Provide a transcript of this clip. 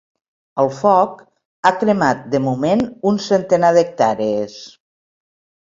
El foc ha cremat de moment un centenar d’hectàrees.